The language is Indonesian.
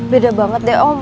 beda banget deh om